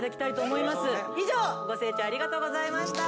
以上ご清聴ありがとうございました。